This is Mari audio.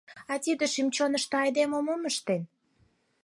А тиде шӱм-чондымо айдеме мом ыштен?